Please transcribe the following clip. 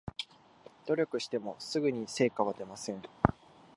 努力してもすぐに成果は出ません